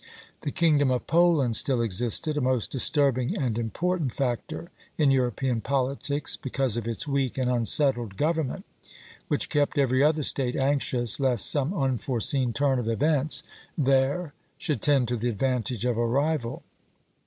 The kingdom of Poland still existed, a most disturbing and important factor in European politics, because of its weak and unsettled government, which kept every other State anxious lest some unforeseen turn of events there should tend to the advantage of a rival.